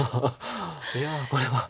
いやこれは。